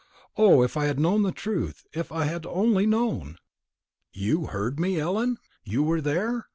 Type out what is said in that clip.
O, if I had known the truth if I had only known!" "You heard me, Ellen? You were there?"